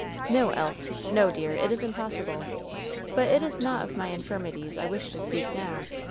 ^*N*o, Elf! No, dearl It is impossible! But it is not of my infirmities I wish to speak now.